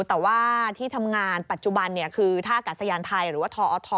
แต่ว่าที่ทำงานปัจจุบันคือท่ากัดสยานไทยหรือว่าทอท